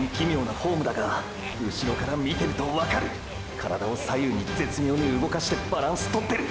体を左右に絶妙に動かしてバランスとってる！！